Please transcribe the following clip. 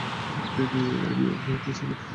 প্রেমে এবং আমি ভয় পেয়েছিলাম।